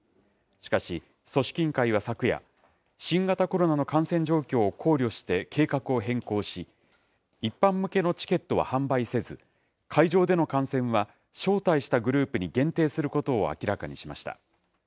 しかし、組織委員会は昨夜、新型コロナの感染状況を考慮して計画を変更し、一般向けのチケットは販売せず、会場での観戦は招待したグループに限定することを明らかにしました。